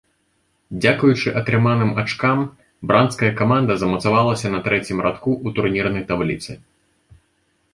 Дзякуючы атрыманым ачкам бранская каманда замацавалася на трэцім радку ў турнірнай табліцы.